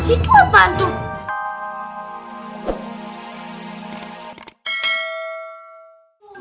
itu apaan tuh